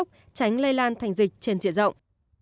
tránh lây lan thành dịch trên diện rộng